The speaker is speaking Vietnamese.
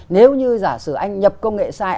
nếu như giả sử anh nhập công nghệ sai